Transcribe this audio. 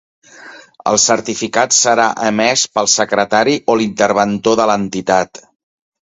El certificat serà emès pel secretari o l'interventor de l'entitat.